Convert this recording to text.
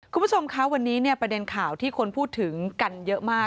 คุณผู้ชมคะวันนี้ประเด็นข่าวที่คนพูดถึงกันเยอะมาก